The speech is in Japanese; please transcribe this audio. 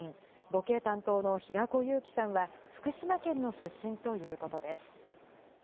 ボケ担当の平子祐希さんは、福島県の出身ということです。